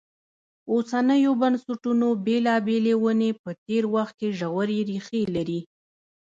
اوسنیو بنسټونو بېلابېلې ونې په تېر وخت کې ژورې ریښې لري.